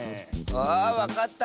あわかった。